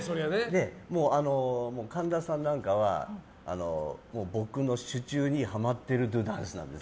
神田さんなんかは僕の手中にハマってるドゥーダンスなんです。